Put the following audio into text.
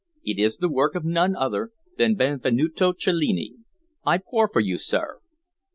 It is the work of none other than Benvenuto Cellini. I pour for you, sir."